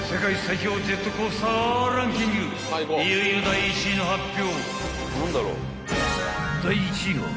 ［いよいよ第１位の発表］